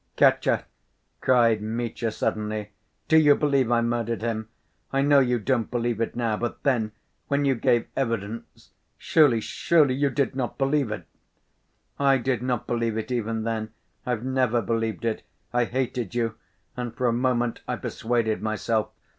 "Katya," cried Mitya suddenly, "do you believe I murdered him? I know you don't believe it now, but then ... when you gave evidence.... Surely, surely you did not believe it!" "I did not believe it even then. I've never believed it. I hated you, and for a moment I persuaded myself.